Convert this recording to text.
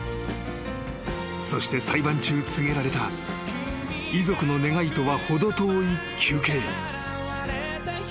［そして裁判中告げられた遺族の願いとは程遠い求刑］